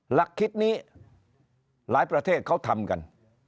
หลักคิดนี้หลายประเทศเขาทำกัน